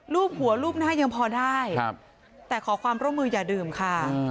รูปหัวรูปหน้ายังพอได้แต่ขอความร่วมมืออย่าดื่มค่ะ